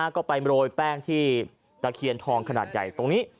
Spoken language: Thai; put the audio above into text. ก็ไปโรยแป้งที่ตะเคียนทองขนาดใหญ่ตรงนี้